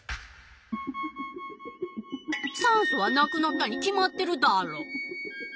酸素はなくなったに決まってるダロ。